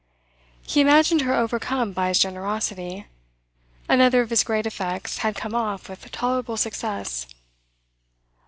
He imagined her overcome by his generosity. Another of his great effects had come off with tolerable success.